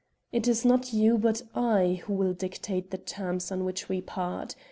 It is not you, but I, who will dictate the terms on which we part.